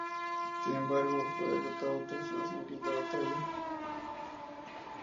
Sin embargo, fue derrotado tras una sangrienta batalla.